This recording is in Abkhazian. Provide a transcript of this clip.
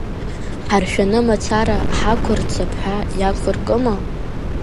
Ҳаршәаны мацара ҳақәырцап ҳәа иақәыркыма?